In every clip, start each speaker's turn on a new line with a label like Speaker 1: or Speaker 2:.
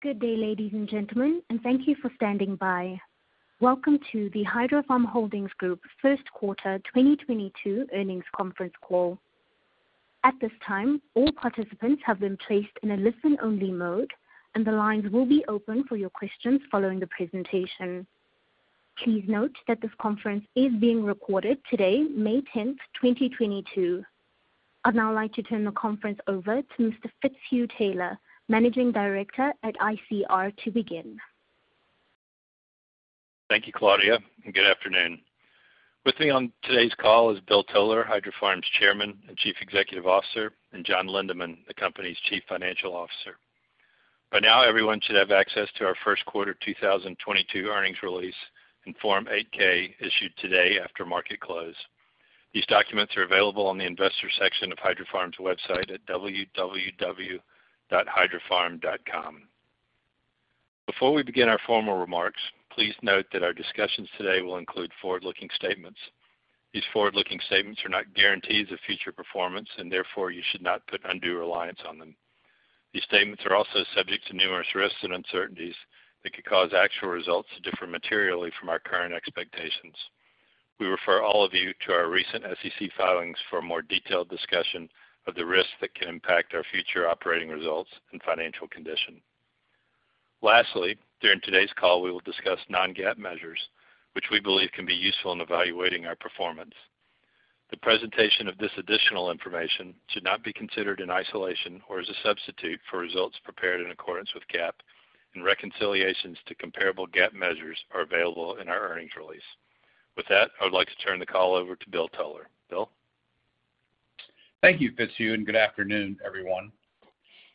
Speaker 1: Good day, ladies and gentlemen, and thank you for standing by. Welcome to the Hydrofarm Holdings Group first quarter 2022 earnings conference call. At this time, all participants have been placed in a listen-only mode, and the lines will be open for your questions following the presentation. Please note that this conference is being recorded today, May 10, 2022. I'd now like to turn the conference over to Mr. Fitzhugh Taylor, Managing Director at ICR, to begin.
Speaker 2: Thank you, Claudia, and good afternoon. With me on today's call is Bill Toler, Hydrofarm's Chairman and Chief Executive Officer, and John Lindeman, the company's Chief Financial Officer. By now, everyone should have access to our first quarter 2022 earnings release and Form 8-K issued today after market close. These documents are available on the investor section of Hydrofarm's website at www.hydrofarm.com. Before we begin our formal remarks, please note that our discussions today will include forward-looking statements. These forward-looking statements are not guarantees of future performance, and therefore, you should not put undue reliance on them. These statements are also subject to numerous risks and uncertainties that could cause actual results to differ materially from our current expectations. We refer all of you to our recent SEC filings for a more detailed discussion of the risks that can impact our future operating results and financial condition. Lastly, during today's call, we will discuss non-GAAP measures, which we believe can be useful in evaluating our performance. The presentation of this additional information should not be considered in isolation or as a substitute for results prepared in accordance with GAAP and reconciliations to comparable GAAP measures are available in our earnings release. With that, I would like to turn the call over to Bill Toler. Bill?
Speaker 3: Thank you, Fitzhugh, and good afternoon, everyone.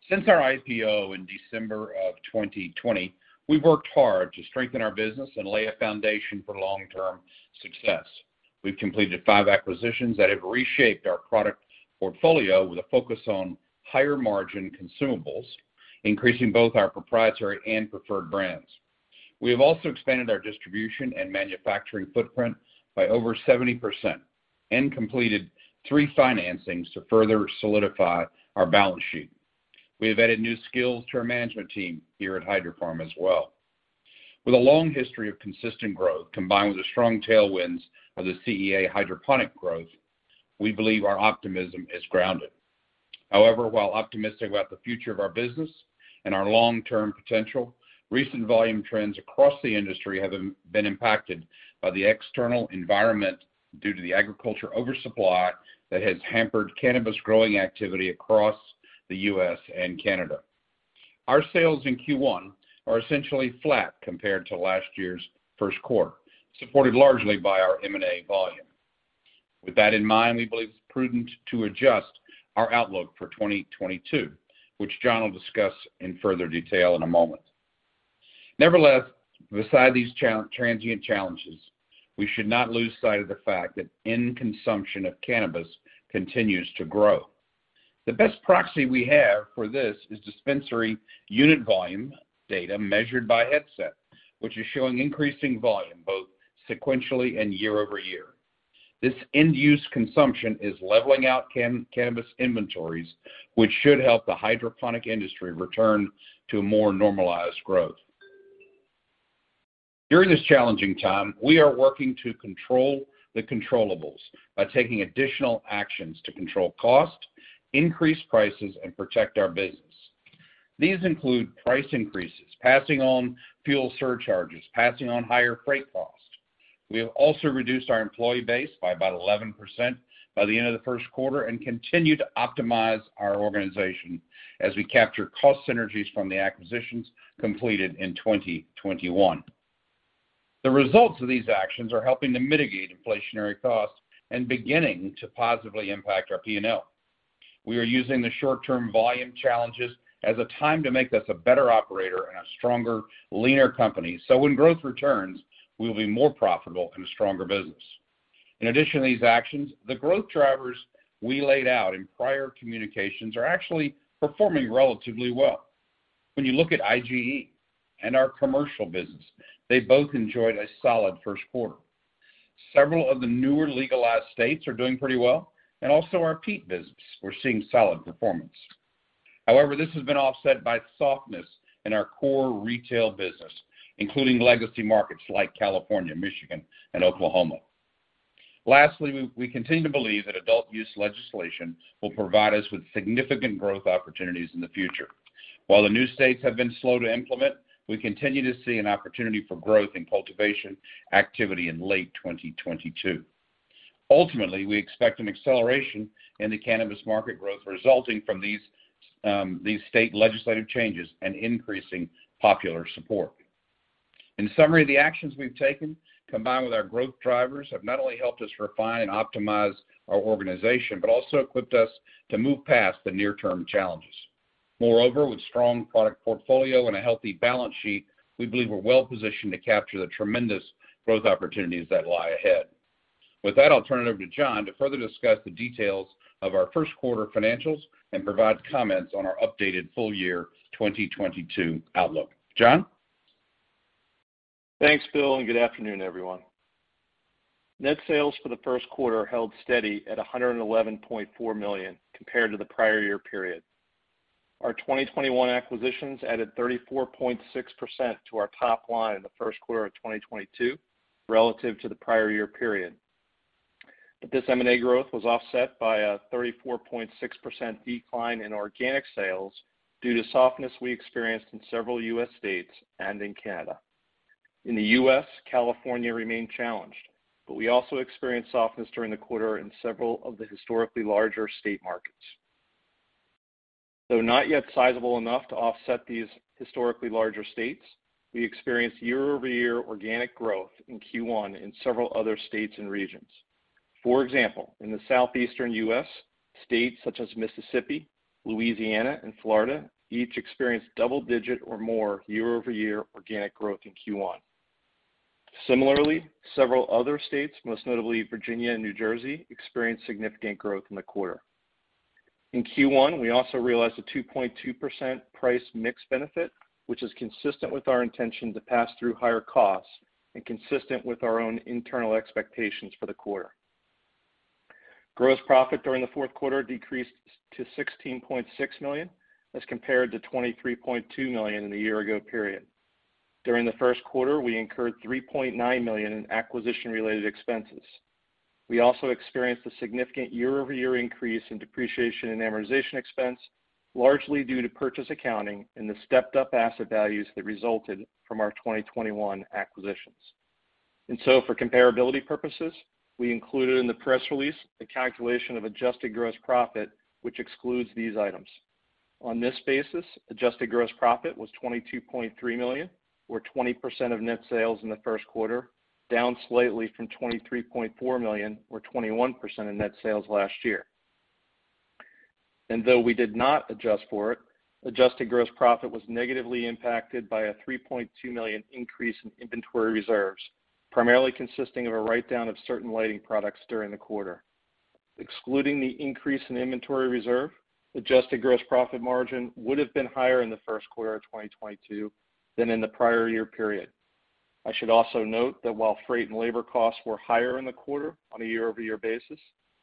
Speaker 3: Since our IPO in December 2020, we've worked hard to strengthen our business and lay a foundation for long-term success. We've completed five acquisitions that have reshaped our product portfolio with a focus on higher-margin consumables, increasing both our proprietary and preferred brands. We have also expanded our distribution and manufacturing footprint by over 70% and completed three financings to further solidify our balance sheet. We have added new skills to our management team here at Hydrofarm as well. With a long history of consistent growth, combined with the strong tailwinds of the CEA hydroponic growth, we believe our optimism is grounded. However, while optimistic about the future of our business and our long-term potential, recent volume trends across the industry have been impacted by the external environment due to the agriculture oversupply that has hampered cannabis growing activity across the U.S. and Canada. Our sales in Q1 are essentially flat compared to last year's first quarter, supported largely by our M&A volume. With that in mind, we believe it's prudent to adjust our outlook for 2022, which John will discuss in further detail in a moment. Nevertheless, besides these transient challenges, we should not lose sight of the fact that end consumption of cannabis continues to grow. The best proxy we have for this is dispensary unit volume data measured by Headset, which is showing increasing volume both sequentially and year-over-year. This end-use consumption is leveling out cannabis inventories, which should help the hydroponic industry return to a more normalized growth. During this challenging time, we are working to control the controllables by taking additional actions to control cost, increase prices, and protect our business. These include price increases, passing on fuel surcharges, passing on higher freight costs. We have also reduced our employee base by about 11% by the end of the first quarter and continue to optimize our organization as we capture cost synergies from the acquisitions completed in 2021. The results of these actions are helping to mitigate inflationary costs and beginning to positively impact our P&L. We are using the short-term volume challenges as a time to make us a better operator and a stronger, leaner company, so when growth returns, we will be more profitable and a stronger business. In addition to these actions, the growth drivers we laid out in prior communications are actually performing relatively well. When you look at IGE and our commercial business, they both enjoyed a solid first quarter. Several of the newer legalized states are doing pretty well, and also our peat business, we're seeing solid performance. However, this has been offset by softness in our core retail business, including legacy markets like California, Michigan, and Oklahoma. Lastly, we continue to believe that adult use legislation will provide us with significant growth opportunities in the future. While the new states have been slow to implement, we continue to see an opportunity for growth in cultivation activity in late 2022. Ultimately, we expect an acceleration in the cannabis market growth resulting from these state legislative changes and increasing popular support. In summary, the actions we've taken, combined with our growth drivers, have not only helped us refine and optimize our organization, but also equipped us to move past the near-term challenges. Moreover, with strong product portfolio and a healthy balance sheet, we believe we're well-positioned to capture the tremendous growth opportunities that lie ahead. With that, I'll turn it over to John to further discuss the details of our first quarter financials and provide comments on our updated full year 2022 outlook. John?
Speaker 4: Thanks, Bill, and good afternoon, everyone. Net sales for the first quarter held steady at $111.4 million compared to the prior year period. Our 2021 acquisitions added 34.6% to our top line in the first quarter of 2022 relative to the prior year period. This M&A growth was offset by a 34.6% decline in organic sales due to softness we experienced in several U.S. states and in Canada. In the U.S., California remained challenged, but we also experienced softness during the quarter in several of the historically larger state markets. Though not yet sizable enough to offset these historically larger states, we experienced year-over-year organic growth in Q1 in several other states and regions. For example, in the southeastern US, states such as Mississippi, Louisiana, and Florida each experienced double-digit or more year-over-year organic growth in Q1. Similarly, several other states, most notably Virginia and New Jersey, experienced significant growth in the quarter. In Q1, we also realized a 2.2% price mix benefit, which is consistent with our intention to pass through higher costs and consistent with our own internal expectations for the quarter. Gross profit during the fourth quarter decreased to $16.6 million as compared to $23.2 million in the year-ago period. During the first quarter, we incurred $3.9 million in acquisition-related expenses. We also experienced a significant year-over-year increase in depreciation and amortization expense, largely due to purchase accounting and the stepped-up asset values that resulted from our 2021 acquisitions. For comparability purposes, we included in the press release the calculation of adjusted gross profit, which excludes these items. On this basis, adjusted gross profit was $22.3 million or 20% of net sales in the first quarter, down slightly from $23.4 million or 21% of net sales last year. Though we did not adjust for it, adjusted gross profit was negatively impacted by a $3.2 million increase in inventory reserves, primarily consisting of a write-down of certain lighting products during the quarter. Excluding the increase in inventory reserve, adjusted gross profit margin would have been higher in the first quarter of 2022 than in the prior year period. I should also note that while freight and labor costs were higher in the quarter on a year-over-year basis,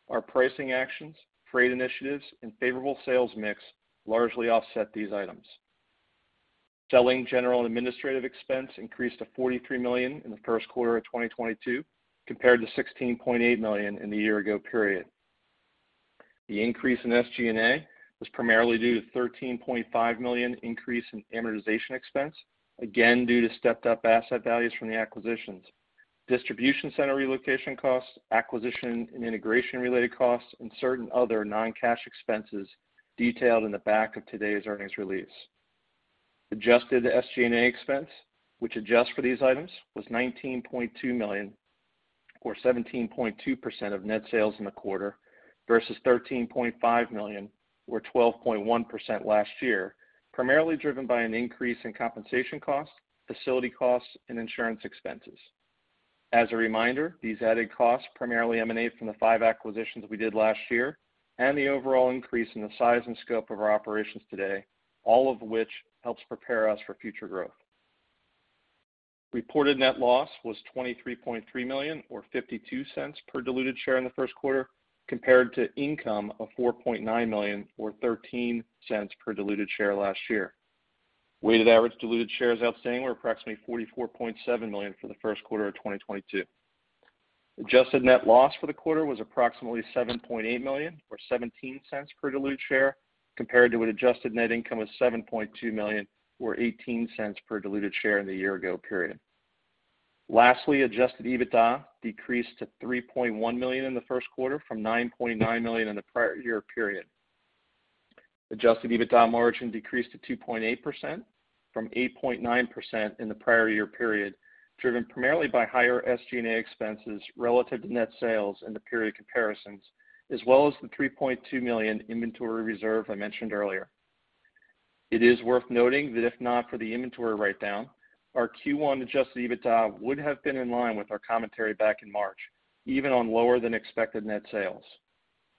Speaker 4: our pricing actions, freight initiatives, and favorable sales mix largely offset these items. Selling, general, and administrative expense increased to $43 million in the first quarter of 2022 compared to $16.8 million in the year ago period. The increase in SG&A was primarily due to $13.5 million increase in amortization expense, again due to stepped-up asset values from the acquisitions, distribution center relocation costs, acquisition and integration-related costs, and certain other non-cash expenses detailed in the back of today's earnings release. Adjusted SG&A expense, which adjusts for these items, was $19.2 million or 17.2% of net sales in the quarter versus $13.5 million or 12.1% last year, primarily driven by an increase in compensation costs, facility costs, and insurance expenses. As a reminder, these added costs primarily emanate from the five acquisitions we did last year and the overall increase in the size and scope of our operations today, all of which helps prepare us for future growth. Reported net loss was $23.3 million or $0.52 per diluted share in the first quarter compared to income of $4.9 million or $0.13 per diluted share last year. Weighted average diluted shares outstanding were approximately 44.7 million for the first quarter of 2022. Adjusted net loss for the quarter was approximately $7.8 million or $0.17 per diluted share compared to an adjusted net income of $7.2 million or $0.18 per diluted share in the year ago period. Lastly, adjusted EBITDA decreased to $3.1 million in the first quarter from $9.9 million in the prior year period. Adjusted EBITDA margin decreased to 2.8% from 8.9% in the prior year period, driven primarily by higher SG&A expenses relative to net sales in the period comparisons, as well as the $3.2 million inventory write-down I mentioned earlier. It is worth noting that if not for the inventory write-down, our Q1 adjusted EBITDA would have been in line with our commentary back in March, even on lower than expected net sales.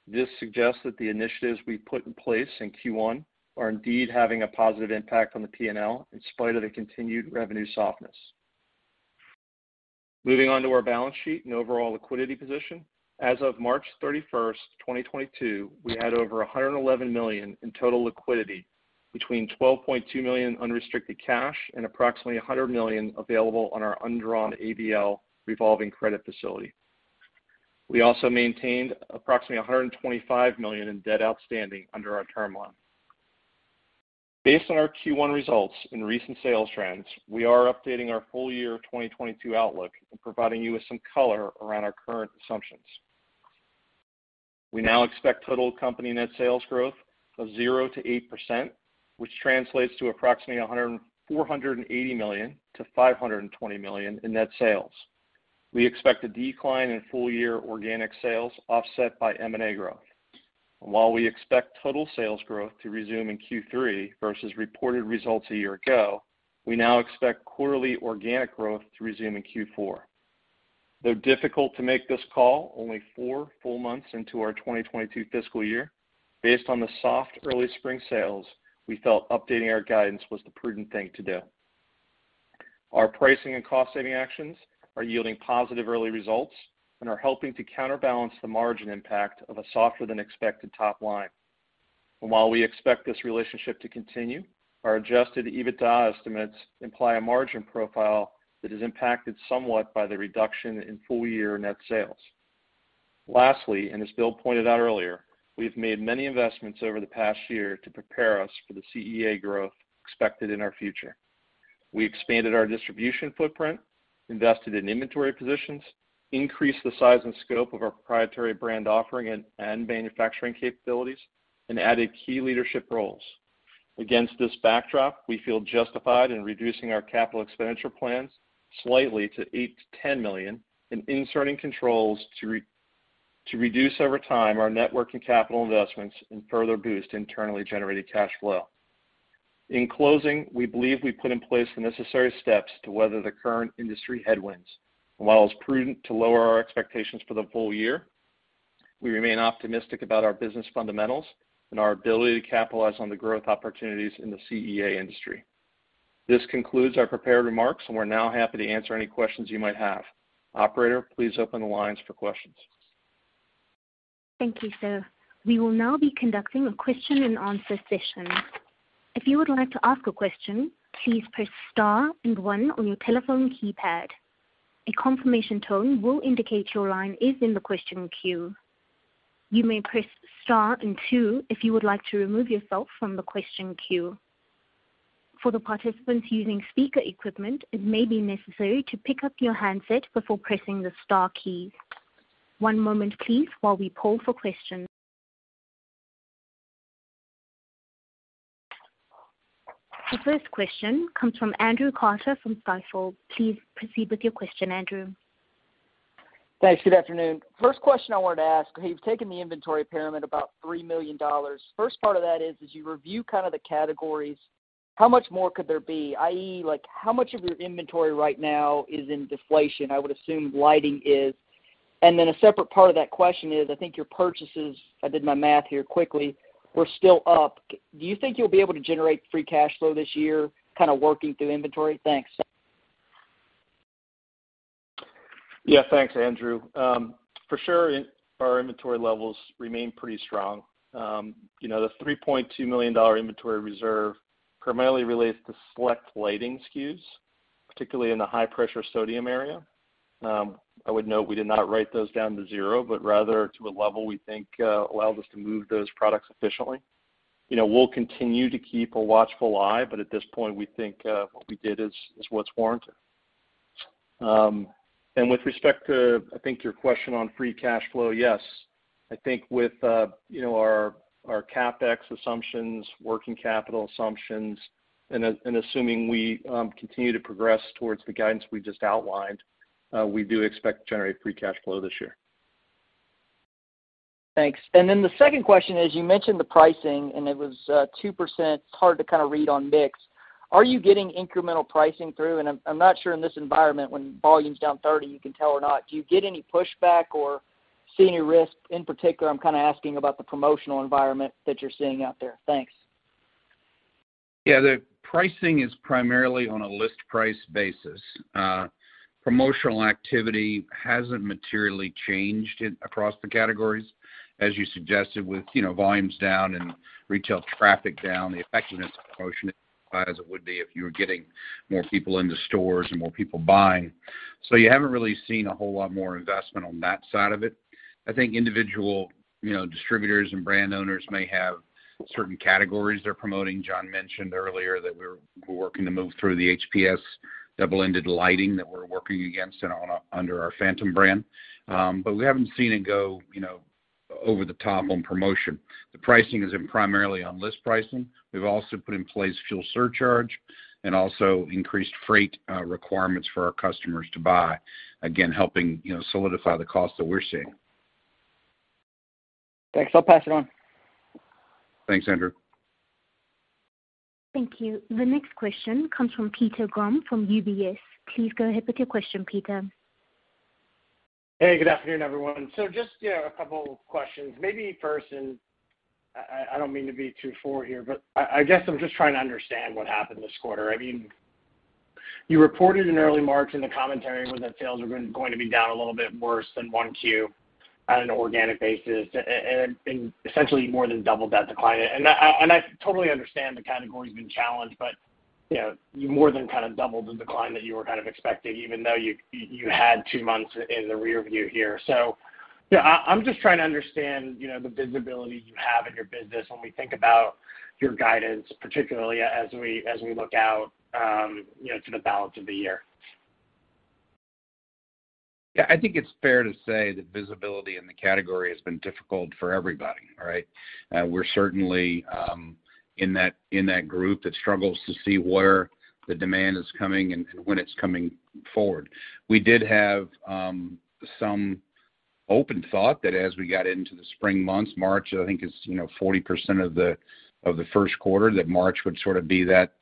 Speaker 4: This suggests that the initiatives we put in place in Q1 are indeed having a positive impact on the P&L in spite of the continued revenue softness. Moving on to our balance sheet and overall liquidity position, as of March 31, 2022, we had over $111 million in total liquidity between $12.2 million unrestricted cash and approximately $100 million available on our undrawn ABL revolving credit facility. We also maintained approximately $125 million in debt outstanding under our term loan. Based on our Q1 results and recent sales trends, we are updating our full year of 2022 outlook and providing you with some color around our current assumptions. We now expect total company net sales growth of 0%-8%, which translates to approximately $480 million-$520 million in net sales. We expect a decline in full year organic sales offset by M&A growth. While we expect total sales growth to resume in Q3 versus reported results a year ago, we now expect quarterly organic growth to resume in Q4. Though difficult to make this call only four full months into our 2022 fiscal year, based on the soft early spring sales, we felt updating our guidance was the prudent thing to do. Our pricing and cost saving actions are yielding positive early results and are helping to counterbalance the margin impact of a softer than expected top line. While we expect this relationship to continue, our adjusted EBITDA estimates imply a margin profile that is impacted somewhat by the reduction in full year net sales. Lastly, and as Bill pointed out earlier, we have made many investments over the past year to prepare us for the CEA growth expected in our future. We expanded our distribution footprint, invested in inventory positions, increased the size and scope of our proprietary brand offering and manufacturing capabilities, and added key leadership roles. Against this backdrop, we feel justified in reducing our capital expenditure plans slightly to $8 million-$10 million and inserting controls to reduce over time our network and capital investments and further boost internally generated cash flow. In closing, we believe we put in place the necessary steps to weather the current industry headwinds. While it's prudent to lower our expectations for the full year, we remain optimistic about our business fundamentals and our ability to capitalize on the growth opportunities in the CEA industry. This concludes our prepared remarks, and we're now happy to answer any questions you might have. Operator, please open the lines for questions.
Speaker 1: Thank you, sir. We will now be conducting a question and answer session. If you would like to ask a question, please press star and one on your telephone keypad. A confirmation tone will indicate your line is in the question queue. You may press star and two if you would like to remove yourself from the question queue. For the participants using speaker equipment, it may be necessary to pick up your handset before pressing the star key. One moment, please, while we poll for questions. The first question comes from Andrew Carter from Stifel. Please proceed with your question, Andrew.
Speaker 5: Thanks. Good afternoon. First question I wanted to ask, you've taken the inventory write-down about $3 million. First part of that is, as you review kind of the categories, how much more could there be, i.e., like, how much of your inventory right now is in deflation? I would assume lighting is. A separate part of that question is, I think your purchases, I did my math here quickly, were still up. Do you think you'll be able to generate free cash flow this year, kind of working through inventory? Thanks.
Speaker 4: Yeah. Thanks, Andrew. For sure, our inventory levels remain pretty strong. You know, the $3.2 million inventory reserve primarily relates to select lighting SKUs, particularly in the high-pressure sodium area. I would note, we did not write those down to zero, but rather to a level we think allows us to move those products efficiently. You know, we'll continue to keep a watchful eye, but at this point, we think what we did is what's warranted. With respect to, I think your question on free cash flow, yes. I think with, you know, our CapEx assumptions, working capital assumptions, and assuming we continue to progress towards the guidance we just outlined, we do expect to generate free cash flow this year.
Speaker 5: Thanks. Then the second question is, you mentioned the pricing, and it was 2%. It's hard to kind of read on mix. Are you getting incremental pricing through? I'm not sure in this environment, when volume's down 30%, you can tell or not. Do you get any pushback or see any risk? In particular, I'm kind of asking about the promotional environment that you're seeing out there. Thanks.
Speaker 3: Yeah. The pricing is primarily on a list price basis. Promotional activity hasn't materially changed it across the categories. As you suggested, with, you know, volumes down and retail traffic down, the effectiveness of promotion is not as it would be if you were getting more people into stores and more people buying. You haven't really seen a whole lot more investment on that side of it. I think individual, you know, distributors and brand owners may have certain categories they're promoting. John mentioned earlier that we're working to move through the HPS double-ended lighting that we're working against and under our Phantom brand. But we haven't seen it go, you know, over the top on promotion. The pricing is primarily on list pricing. We've also put in place fuel surcharge and also increased freight requirements for our customers to buy, again, helping, you know, solidify the cost that we're seeing.
Speaker 5: Thanks. I'll pass it on.
Speaker 3: Thanks, Andrew.
Speaker 1: Thank you. The next question comes from Peter Grom from UBS. Please go ahead with your question, Peter.
Speaker 6: Hey, good afternoon, everyone. Just, you know, a couple questions. Maybe first, I don't mean to be too forward here, but I guess I'm just trying to understand what happened this quarter. I mean, you reported in early March in the commentary that sales were going to be down a little bit worse than one Q on an organic basis, and essentially more than doubled that decline. I totally understand the category's been challenged, but, you know, you more than kind of doubled the decline that you were kind of expecting, even though you had two months in the rear view here. You know, I'm just trying to understand, you know, the visibility you have in your business when we think about your guidance, particularly as we look out, you know, to the balance of the year.
Speaker 3: Yeah. I think it's fair to say that visibility in the category has been difficult for everybody, all right? We're certainly in that group that struggles to see where the demand is coming and when it's coming forward. We did have some hope that as we got into the spring months, March, I think is, you know, 40% of the first quarter, that March would sort of be that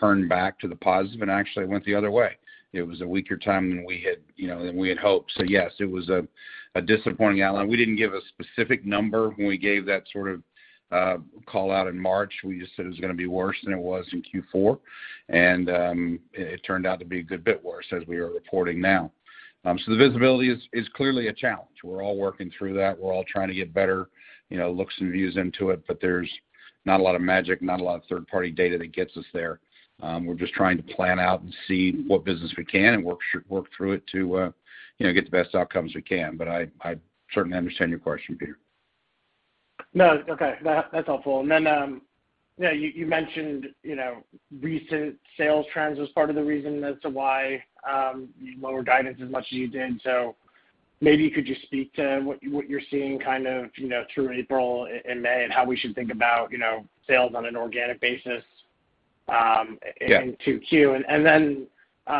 Speaker 3: turn back to the positive, and actually it went the other way. It was a weaker time than we had, you know, than we had hoped. Yes, it was a disappointing outline. We didn't give a specific number when we gave that sort of call-out in March. We just said it was gonna be worse than it was in Q4. It turned out to be a good bit worse as we are reporting now. The visibility is clearly a challenge. We're all working through that. We're all trying to get better, you know, looks and views into it. There's not a lot of magic, not a lot of third-party data that gets us there. We're just trying to plan out and see what business we can and work through it to, you know, get the best outcomes we can. I certainly understand your question, Peter.
Speaker 6: No. Okay. That's helpful. Yeah, you mentioned, you know, recent sales trends as part of the reason as to why you lowered guidance as much as you did. Maybe could you speak to what you're seeing kind of, you know, through April and May and how we should think about, you know, sales on an organic basis?
Speaker 3: Yeah
Speaker 6: in 2Q.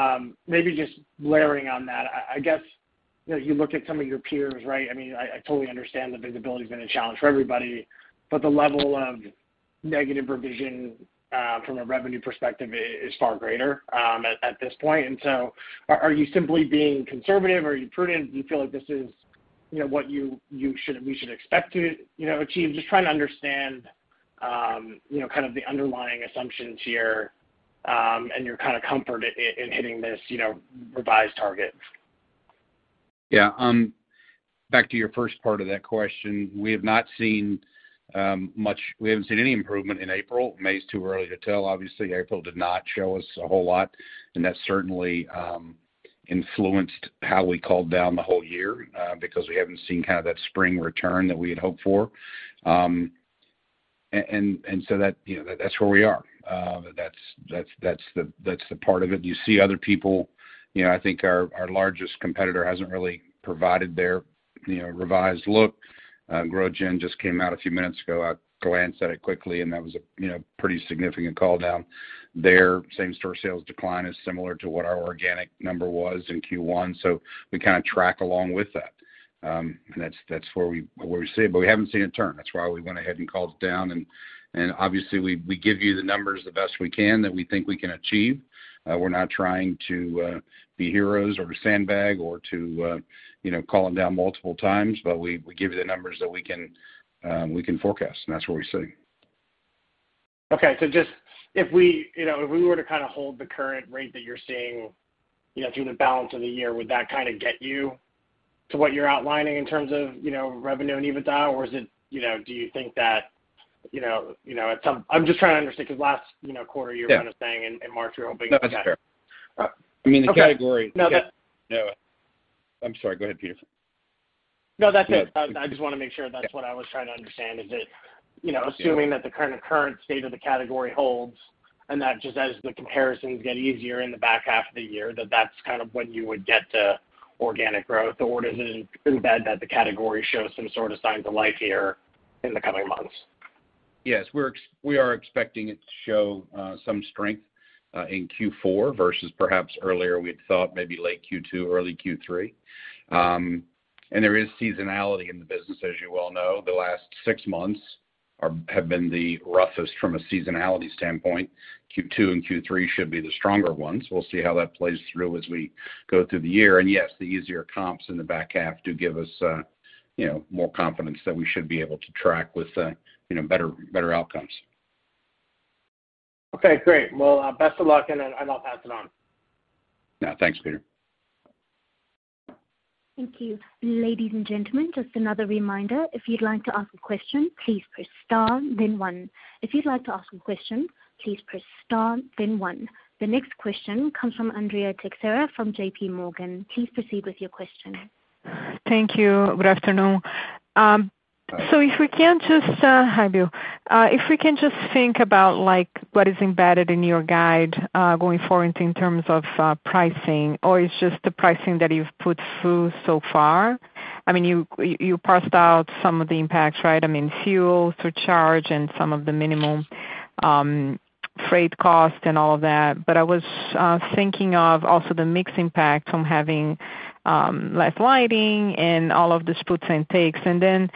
Speaker 6: Then, maybe just layering on that, I guess, you know, you look at some of your peers, right? I mean, I totally understand the visibility's been a challenge for everybody, but the level of negative revision from a revenue perspective is far greater at this point. Are you simply being conservative? Are you prudent? Do you feel like this is, you know, what we should expect to, you know, achieve? Just trying to understand, you know, kind of the underlying assumptions here, and your kind of comfort in hitting this, you know, revised target.
Speaker 3: Yeah. Back to your first part of that question, we haven't seen any improvement in April. May is too early to tell. Obviously, April did not show us a whole lot, and that certainly influenced how we called down the whole year, because we haven't seen kind of that spring return that we had hoped for. So that, you know, that's where we are. That's the part of it. You see other people, you know, I think our largest competitor hasn't really provided their, you know, revised look. GrowGen just came out a few minutes ago. I glanced at it quickly, and that was a, you know, pretty significant call down. Their same store sales decline is similar to what our organic number was in Q1, so we kind of track along with that. That's where we sit, but we haven't seen a turn. That's why we went ahead and called it down. Obviously we give you the numbers the best we can that we think we can achieve. We're not trying to be heroes or to sandbag or to you know call them down multiple times, but we give you the numbers that we can forecast, and that's what we see.
Speaker 6: Okay. Just if we, you know, if we were to kind of hold the current rate that you're seeing, you know, through the balance of the year, would that kind of get you to what you're outlining in terms of, you know, revenue and EBITDA? Or is it, you know, do you think that, you know, at some. I'm just trying to understand because last, you know, quarter you were.
Speaker 3: Yeah
Speaker 6: Kind of saying in March it won't be-
Speaker 3: No, that's fair.
Speaker 6: Okay.
Speaker 3: I mean, the category.
Speaker 6: No.
Speaker 3: No. I'm sorry. Go ahead, Peter.
Speaker 6: No, that's it.
Speaker 3: No.
Speaker 6: I just wanna make sure that's what I was trying to understand is if, you know, assuming that the kind of current state of the category holds and that just as the comparisons get easier in the back half of the year, that's kind of when you would get to organic growth or does it embed that the category shows some sort of signs of life here in the coming months?
Speaker 3: Yes. We are expecting it to show some strength in Q4 versus perhaps earlier we had thought maybe late Q2, early Q3. There is seasonality in the business, as you well know. The last six months have been the roughest from a seasonality standpoint. Q2 and Q3 should be the stronger ones. We'll see how that plays through as we go through the year. Yes, the easier comps in the back half do give us you know, more confidence that we should be able to track with you know, better outcomes.
Speaker 6: Okay, great. Well, best of luck, and then I'll pass it on.
Speaker 3: Yeah. Thanks, Peter.
Speaker 1: Thank you. Ladies and gentlemen, just another reminder, if you'd like to ask a question, please press star then one. If you'd like to ask a question, please press star then one. The next question comes from Andrea Teixeira from JPMorgan. Please proceed with your question.
Speaker 7: Thank you. Good afternoon.
Speaker 3: Hi.
Speaker 7: Hi, Bill. If we can just think about, like, what is embedded in your guide, going forward in terms of pricing, or is it just the pricing that you've put through so far. I mean, you parsed out some of the impacts, right? I mean, fuel surcharge and some of the minimum freight cost and all of that. I was thinking of also the mix impact from having less lighting and all of the splits and takes. Then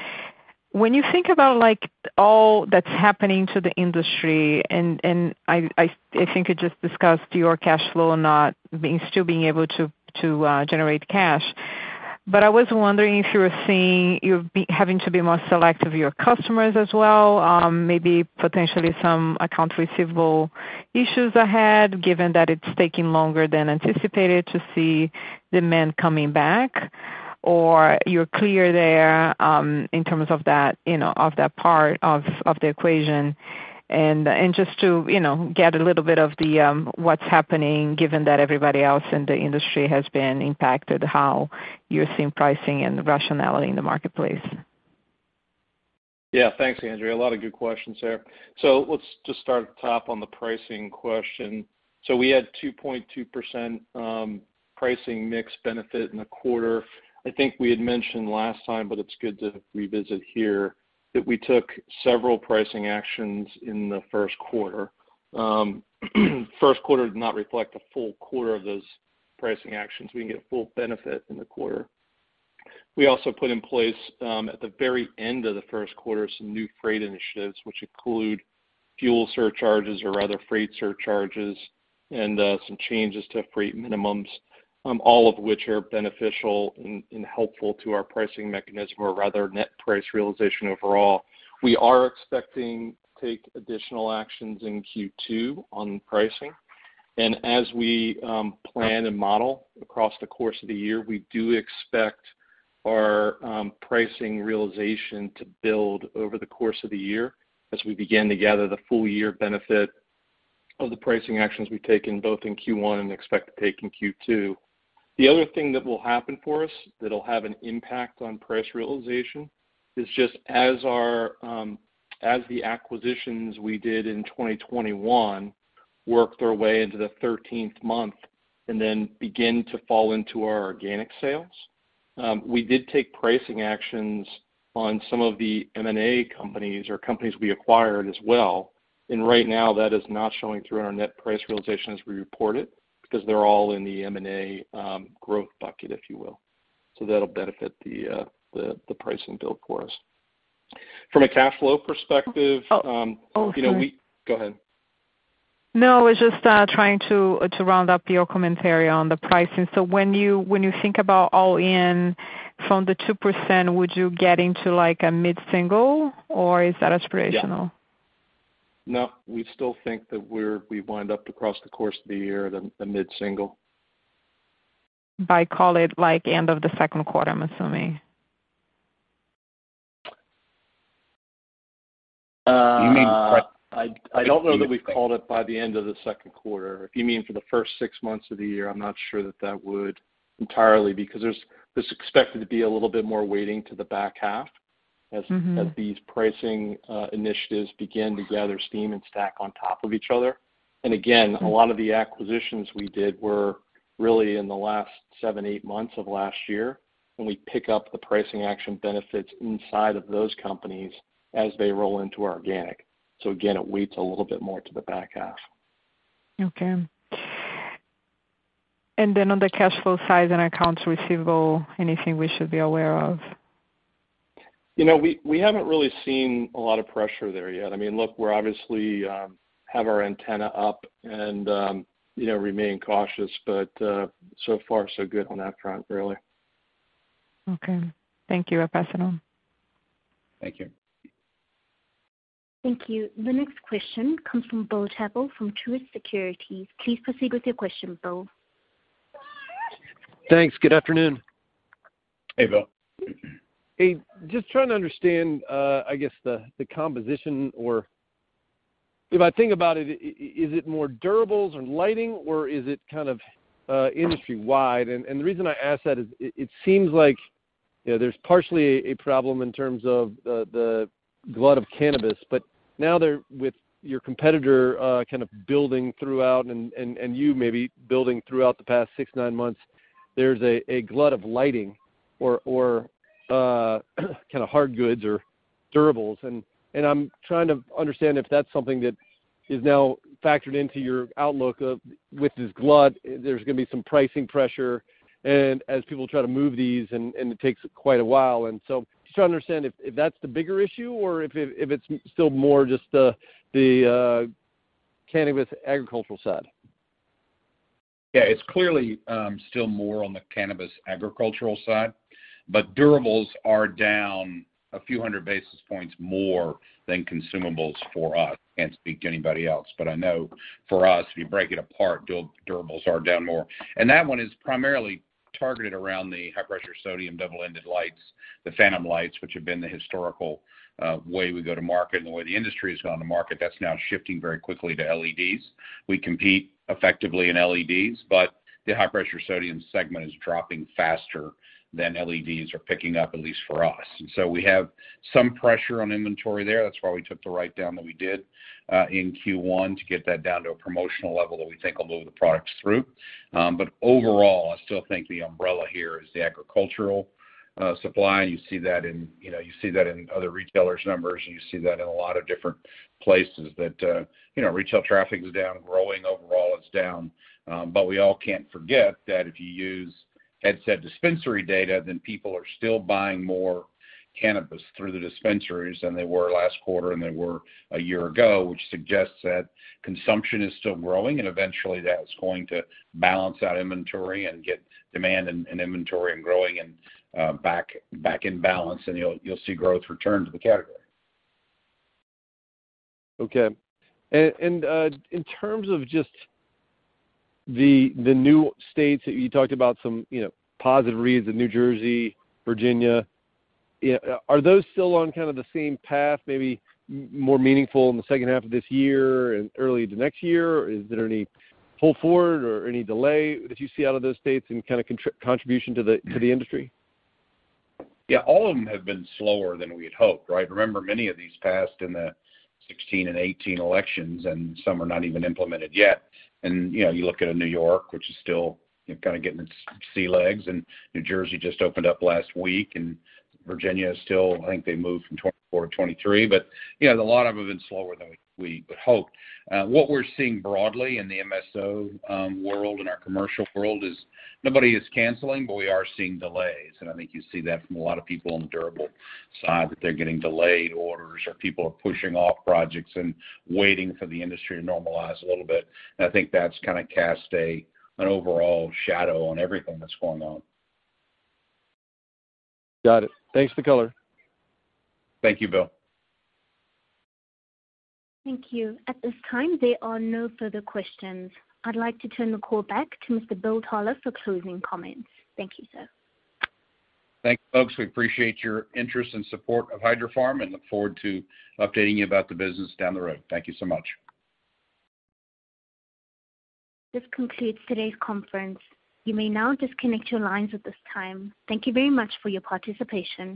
Speaker 7: when you think about, like, all that's happening to the industry, I think you just discussed your cash flow still being able to generate cash. I was wondering if you were seeing you having to be more selective of your customers as well, maybe potentially some accounts receivable issues ahead, given that it's taking longer than anticipated to see demand coming back. Or you're clear there, in terms of that, you know, of that part of the equation. Just to, you know, get a little bit of the, what's happening given that everybody else in the industry has been impacted, how you're seeing pricing and rationality in the marketplace.
Speaker 3: Yeah. Thanks, Andrea. A lot of good questions there. Let's just start at the top on the pricing question. We had 2.2% pricing mix benefit in the quarter. I think we had mentioned last time, but it's good to revisit here, that we took several pricing actions in the first quarter. First quarter did not reflect a full quarter of those pricing actions. We can get full benefit in the quarter.
Speaker 4: We also put in place, at the very end of the first quarter, some new freight initiatives, which include fuel surcharges or rather freight surcharges and some changes to freight minimums, all of which are beneficial and helpful to our pricing mechanism or rather net price realization overall. We are expecting to take additional actions in Q2 on pricing. As we plan and model across the course of the year, we do expect our pricing realization to build over the course of the year as we begin to gather the full year benefit of the pricing actions we've taken, both in Q1 and expect to take in Q2. The other thing that will happen for us that'll have an impact on price realization is just as the acquisitions we did in 2021 work their way into the thirteenth month and then begin to fall into our organic sales, we did take pricing actions on some of the M&A companies or companies we acquired as well. Right now, that is not showing through in our net price realization as we report it because they're all in the M&A growth bucket, if you will. That'll benefit the pricing build for us. From a cash flow perspective, you know, we.
Speaker 7: Oh, sorry.
Speaker 4: Go ahead.
Speaker 7: No, I was just trying to round up your commentary on the pricing. When you think about all-in from the 2%, would you get into like a mid-single, or is that aspirational?
Speaker 4: Yeah. No, we still think that we wind up across the course of the year at a mid-single.
Speaker 7: By call it like end of the second quarter, I'm assuming.
Speaker 4: Uh.
Speaker 3: You mean.
Speaker 4: I don't know that we've called it by the end of the second quarter. If you mean for the first six months of the year, I'm not sure that would entirely because there's expected to be a little bit more weighting to the back half as.
Speaker 7: Mm-hmm.
Speaker 4: As these pricing initiatives begin to gather steam and stack on top of each other. Again, a lot of the acquisitions we did were really in the last 7, 8 months of last year, and we pick up the pricing action benefits inside of those companies as they roll into our organic. Again, it weighs a little bit more to the back half.
Speaker 7: Okay. On the cash flow side and accounts receivable, anything we should be aware of?
Speaker 4: You know, we haven't really seen a lot of pressure there yet. I mean, look, we're obviously have our antenna up and, you know, remain cautious, but so far so good on that front, really.
Speaker 7: Okay. Thank you, I'll pass it on
Speaker 4: Thank you.
Speaker 1: Thank you. The next question comes from Bill Chappell from Truist Securities. Please proceed with your question, Bill.
Speaker 8: Thanks. Good afternoon.
Speaker 3: Hey, Bill.
Speaker 8: Hey, just trying to understand, I guess the composition or if I think about it, is it more durables or lighting, or is it kind of industry-wide? The reason I ask that is it seems like, you know, there's partially a problem in terms of the glut of cannabis. Now they're, with your competitor kind of building throughout and you maybe building throughout the past 6-9 months, there's a glut of lighting or kind of hard goods or durables. I'm trying to understand if that's something that is now factored into your outlook of, with this glut, there's gonna be some pricing pressure and as people try to move these and it takes quite a while. Just to understand if that's the bigger issue or if it's still more just the cannabis agricultural side.
Speaker 3: Yeah. It's clearly still more on the cannabis agricultural side, but durables are down a few hundred basis points more than consumables for us. Can't speak to anybody else, but I know for us, if you break it apart, durables are down more. That one is primarily targeted around the high-pressure sodium double-ended lights, the Phantom lights, which have been the historical way we go to market and the way the industry has gone to market. That's now shifting very quickly to LEDs. We compete effectively in LEDs, but the high-pressure sodium segment is dropping faster than LEDs are picking up, at least for us. We have some pressure on inventory there. That's why we took the write-down that we did in Q1 to get that down to a promotional level that we think will move the products through. Overall, I still think the umbrella here is the agricultural supply, and you see that in, you know, you see that in other retailers' numbers, and you see that in a lot of different places. You know, retail traffic is down. Growing overall, it's down. We all can't forget that if you use Headset dispensary data, then people are still buying more cannabis through the dispensaries than they were last quarter and they were a year ago, which suggests that consumption is still growing, and eventually that's going to balance out inventory and get demand and inventory and growing back in balance, and you'll see growth return to the category.
Speaker 8: Okay. In terms of just the new states that you talked about some, you know, positive reads in New Jersey, Virginia, are those still on kind of the same path, maybe more meaningful in the second half of this year and early into next year? Is there any pull forward or any delay that you see out of those states and kind of contribution to the industry?
Speaker 3: Yeah. All of them have been slower than we had hoped, right? Remember, many of these passed in the 2016 and 2018 elections, and some are not even implemented yet. You know, you look at New York, which is still, you know, kind of getting its sea legs, and New Jersey just opened up last week, and Virginia is still, I think they moved from 24 to 23. But yeah, a lot of them have been slower than we had hoped. What we're seeing broadly in the MSO world, in our commercial world is nobody is canceling, but we are seeing delays. I think you see that from a lot of people on the durable side, that they're getting delayed orders or people are pushing off projects and waiting for the industry to normalize a little bit. I think that's kinda cast an overall shadow on everything that's going on.
Speaker 8: Got it. Thanks for the color.
Speaker 3: Thank you, Bill.
Speaker 1: Thank you. At this time, there are no further questions. I'd like to turn the call back to Mr. Bill Toler for closing comments. Thank you, sir.
Speaker 3: Thanks, folks. We appreciate your interest and support of Hydrofarm and look forward to updating you about the business down the road. Thank you so much.
Speaker 1: This concludes today's conference. You may now disconnect your lines at this time. Thank you very much for your participation.